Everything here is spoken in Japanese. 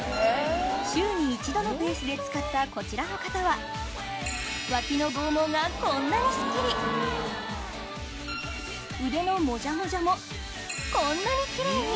週に１度のペースで使ったこちらの方は脇の剛毛がこんなにすっきり腕のモジャモジャもこんなにキレイに！